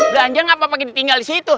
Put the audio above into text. belanja ngapa apa lagi ditinggal di situ